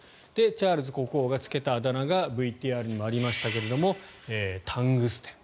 チャールズ国王がつけたあだ名がＶＴＲにもありましたがタングステン。